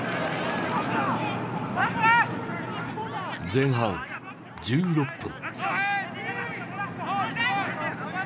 前半１６分。